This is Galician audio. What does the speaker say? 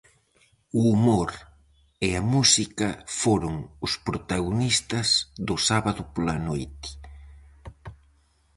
O humor e a música foron os protagonistas do sábado pola noite.